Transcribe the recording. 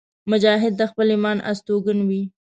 مجاهد د خپل ایمان استوګن وي.